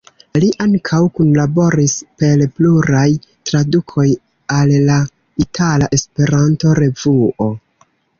Li ankaŭ kunlaboris per pluraj tradukoj al la "Itala Esperanto-Revuo".